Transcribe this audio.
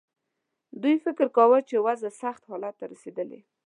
دوی فکر کاوه چې وضع سخت حالت ته رسېدلې.